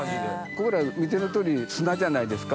ここら見ての通り砂じゃないですか。